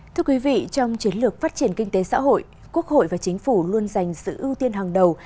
thưa quý vị trong chiến lược phát triển kinh tế xã hội quốc hội và chính phủ luôn dành sự ưu tiên hàng đầu